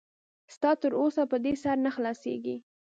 ستا تر اوسه په دې سر نه خلاصېږي.